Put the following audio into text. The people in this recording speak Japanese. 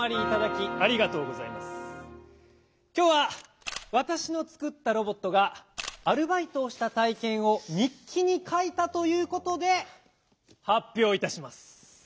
きょうはわたしのつくったロボットがアルバイトをしたたいけんを日記にかいたということで発表いたします。